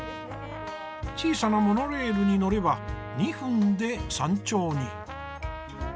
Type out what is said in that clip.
小さなモノレールに乗れば２分で山頂に。